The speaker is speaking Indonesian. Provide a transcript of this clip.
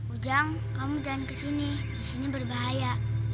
ujung kamu jangan kesini disini berbahaya